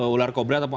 ular kobra ataupun